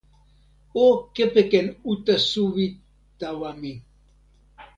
o kepeken uta suwi tawa mi.